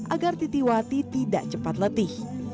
agar titiwati tidak cepat letih